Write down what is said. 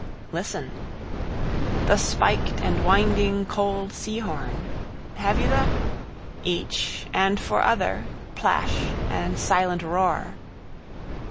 Listen! The spiked and winding cold seahorn. Have you the? Each, and for other, plash and silent roar.